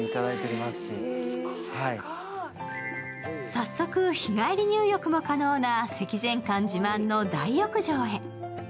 早速、日帰り入浴も可能な積善館自慢の大浴場へ。